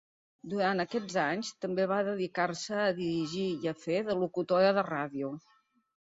Durant aquests anys també va dedicar-se a dirigir i a fer de locutora de ràdio.